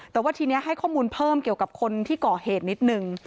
แต่ว่าทีนี้ให้ข้อมูลเพิ่มเกี่ยวกับคนที่ก่อเหตุนิดนึง